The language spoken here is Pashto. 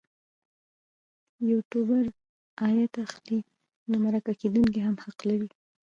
یوټوبر عاید اخلي نو مرکه کېدونکی هم حق لري.